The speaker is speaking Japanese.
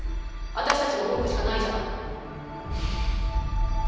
私たちが動くしかないじゃない。